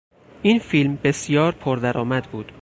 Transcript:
این فیلم بسیار پر درآمد بود.